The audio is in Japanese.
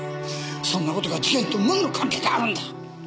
そんなことが事件と何の関係があるんだ！